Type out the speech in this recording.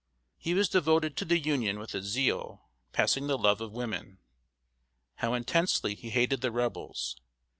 He was devoted to the Union with a zeal passing the love of women. How intensely he hated the Rebels!